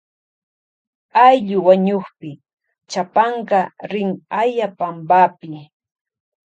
Ayllu wañukpi chapanka rin aya panpapi.